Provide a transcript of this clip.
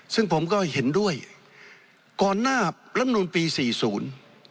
ซึ่งผมก็เห็นด้วยก่อนหน้าลำนูลปีสี่ศูนย์